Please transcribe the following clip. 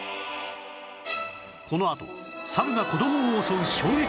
このあとサルが子供を襲う衝撃映像